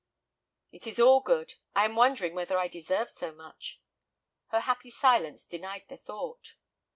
"It is all good. I am wondering whether I deserve so much." Her happy silence denied the thought.